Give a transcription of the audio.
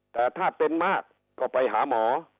แต่ถ้าเป็นมากก็ไปหาหมอ